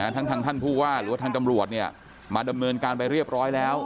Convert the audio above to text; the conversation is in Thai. ท่านผู้ว่าหรือว่าท่านจำรวจเนี่ยมาดำเนินการไปเรียบร้อยแล้ว